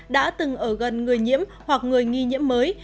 đã từng ở gần người nhiễm hoặc người nghi nhiễm mới